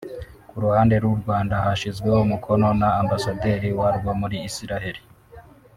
Ku ruhande rw’u Rwanda hashyizweho umukono na Ambasaderi warwo muri Israel